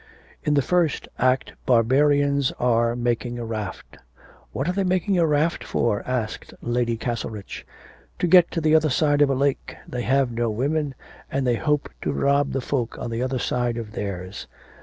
'In the first act barbarians are making a raft.' 'What are they making the raft for?' asked Lady Castlerich. 'To get to the other side of a lake. They have no women, and they hope to rob the folk on the other side of theirs.'